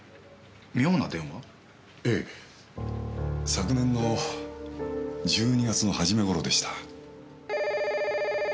昨年の１２月の初め頃でした。